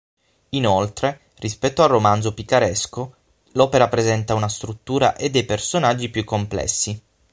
Inoltre, rispetto al romanzo picaresco, l'opera presenta una struttura e dei personaggi più complessi.